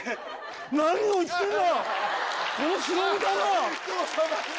何を言ってるんだ！